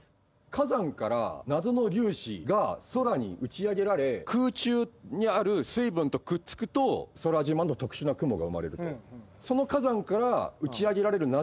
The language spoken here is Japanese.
火山から謎の粒子が空に打ち上げられ空中にある水分とくっつくと空島の特殊な雲が生まれると。